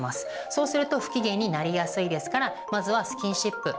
そうすると不機嫌になりやすいですからまずはスキンシップ。